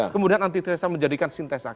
kemudian antitesa menjadikan sintesa